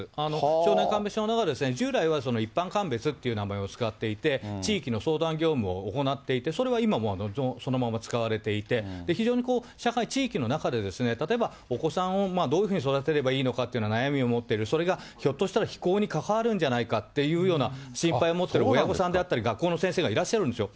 少年鑑別所の中には従来は、一般鑑別っていう名前を使っていて、地域の相談業務を行っていて、それは今もそのまま使われていて、非常に社会、地域の中で、例えばお子さんをどういうふうに育てればいいのかっていう悩みを持っている、それがひょっとしたら非行に関わるんじゃないかというような心配を持ってる親御さんだったり、学校の先生がいらっしゃるんですよ。